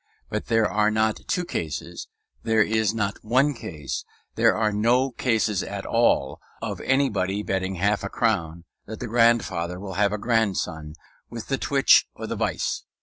But there are not two cases, there is not one case, there are no cases at all, of anybody betting half a crown that the grandfather will have a grandson with the twitch or the vice.